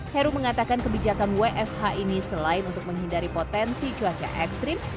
heru mengatakan kebijakan wfh ini selain untuk menghindari potensi cuaca ekstrim